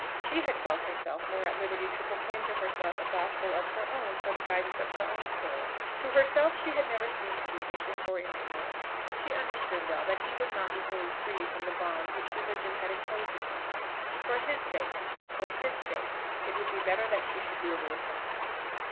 She had felt herself more at liberty to proclaim to herself a gospel of her own for the guidance of her own soul. To herself she had never seemed to be vicious or impure, but she understood well that he was not equally free from the bonds which religion had imposed upon him. For his sake, for his sake, it would be better that she should be away from him.